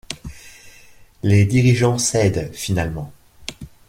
Les dirigeants cèdent finalement.